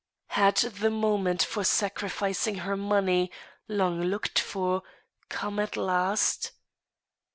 Had the moment for sacrificing her money, long looked for, come at last